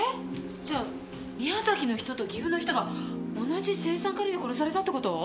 じゃあ宮崎の人と岐阜の人が同じ青酸カリで殺されたってこと！？